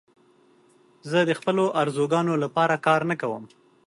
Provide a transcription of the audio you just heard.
زه د خپلو آرزوګانو لپاره کار نه کوم.